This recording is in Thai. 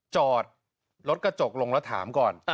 จอดรถกระจกลงแล้วถามก่อน